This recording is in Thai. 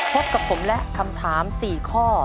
เท็ปกับผมและคำถามสี่ข้อ